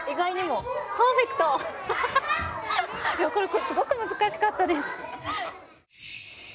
これすごく難しかったです。